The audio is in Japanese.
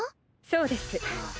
そうです。